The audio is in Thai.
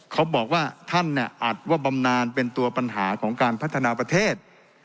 เขาบอกว่าท่านเนี่ยอัดว่าบำนานเป็นตัวปัญหาของการพัฒนาประเทศ